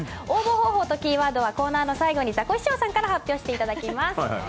応募方法とキーワードはコーナーの最後にザコシショウさんから発表していただきます。